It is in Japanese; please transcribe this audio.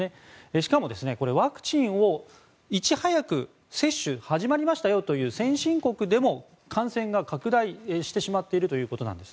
しかも、ワクチンをいち早く接種始まりましたよという先進国でも感染が拡大してしまっているということです。